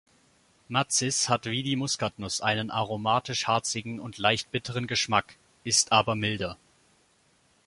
Macis hat wie die Muskatnuss einen aromatisch-harzigen und leicht bitteren Geschmack, ist aber milder.